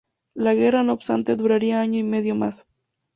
La guerra, no obstante, duraría año y medio más.